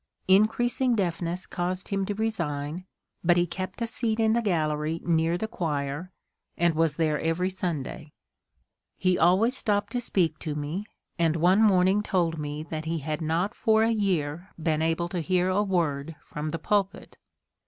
Increasing deafness caused him to resign, but he kept a seat in the gallery near the choir, and was there every Sunday. He always stopped to speak to me, and one morning told me that he had not for a year been able to hear a word from the pulpit.